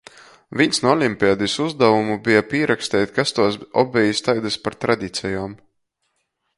Vīns nu olimpiadis aizdavumu beja pīraksteit, kas tuos obejis taidys par tradicejom.